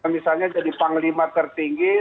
misalnya jadi panglima tertinggi